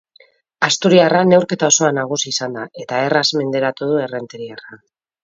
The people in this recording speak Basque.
Asturiarra neurketa osoan nagusi izan da eta erraz menderatu du errenteriarra.